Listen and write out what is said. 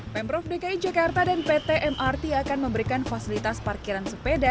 pemprov dki jakarta dan pt mrt akan memberikan fasilitas parkiran sepeda